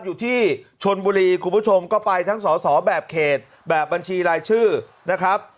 อยู่ที่ชนบุรีคุณผู้ชมก็ไปทั้งสอสอแบบเขตแบบบัญชีรายชื่อนะครับ